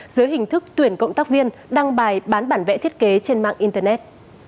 dưới hình thức tuyển cộng tác viên đăng bài bán bản vẽ thiết kế trên mạng internet